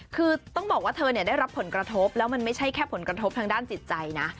คือต้องบอกว่าเธอได้รับผลกระทบแล้วมันไม่ใช่แค่ผลกระทบทางด้านจิตใจนะ